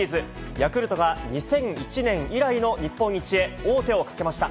ヤクルトは２００１年以来の日本一へ、王手をかけました。